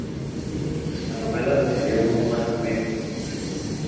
La novela recibió muy buenas críticas.